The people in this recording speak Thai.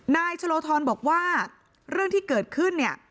นายชโลทรบอกว่าเรื่องที่เกิดขึ้น